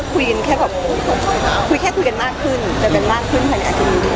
คุยแค่คุยกันมากขึ้นปลายไข่วันนี้็คือดีขับ